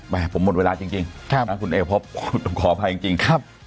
ไม่ผมหมดเวลาจริงจริงครับน้องคุณเอวพบขออภัยจริงจริงครับ